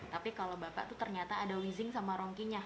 tapi kalau bapak itu ternyata ada wheezing sama rongkinya